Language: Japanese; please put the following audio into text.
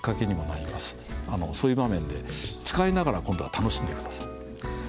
そういう場面で使いながら今度は楽しんで下さい。